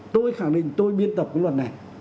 tôi khẳng định tôi biên tập cái luật này